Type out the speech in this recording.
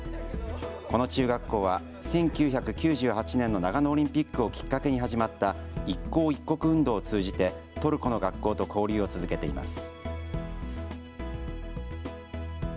この中学校は１９９８年の長野オリンピックをきっかけに始まった一校一国運動を通じてトルコの学校と交流を続けています。